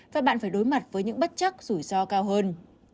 và bạn phải đối mặt với những bất chắc rủi ro cao hơn